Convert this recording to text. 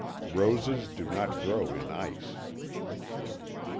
Roses do not grow in ice.